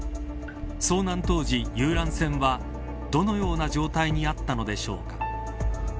遭難当時、遊覧船はどのような状態にあったのでしょうか。